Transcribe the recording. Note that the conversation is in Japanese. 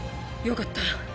よかった。